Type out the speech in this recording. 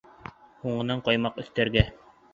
Һуңынан ҡаймаҡ өҫтәргә.